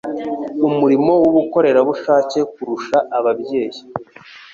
umurimo w'ubukorerabushake kurusha ababyeyi